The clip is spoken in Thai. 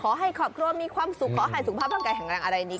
ขอให้ครอบครัวมีความสุขขอให้สุขภาพร่างกายแข็งแรงอะไรดี